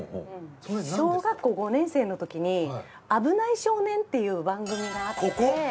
小学校５年生のときに『あぶない少年』っていう番組があって。